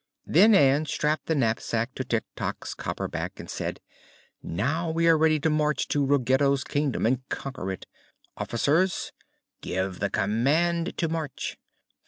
Then Ann strapped the knapsack to Tik Tok's copper back and said: "Now we are ready to march to Ruggedo's Kingdom and conquer it. Officers, give the command to march."